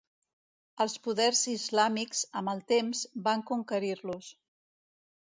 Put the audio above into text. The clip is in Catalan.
Els poders islàmics, amb el temps, van conquerir-los.